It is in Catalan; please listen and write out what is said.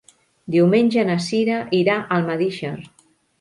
Diumenge na Cira irà a Almedíxer.